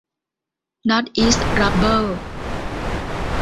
นอร์ทอีส รับเบอร์